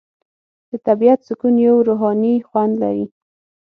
د طبیعت سکون یو روحاني خوند لري.